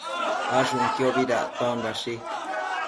Ashunquiobi dactondashi